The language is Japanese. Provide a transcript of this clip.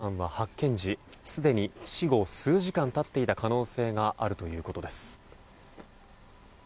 母親の延子さんは発見時すでに死後数時間経っていた可能性があるということです。